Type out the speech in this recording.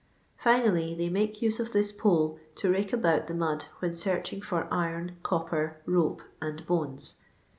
Finally, they make use of this pole to rake about the mud when searching for iron, copper, rope, and bones.